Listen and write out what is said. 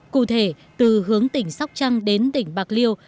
cụ thể từ hướng tỉnh sóc trăng đến tỉnh bạc liêu